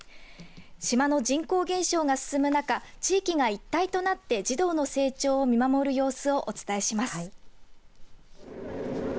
島の人口減少が進む中地域が一体となって児童の成長を見守る様子をお伝えします。